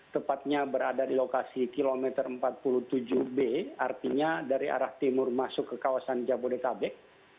tepatnya berada di lokasi kilometer empat puluh tujuh b artinya dari arah timur masuk ke kawasan jabodetabek